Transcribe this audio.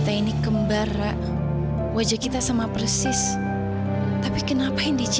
terima kasih bapak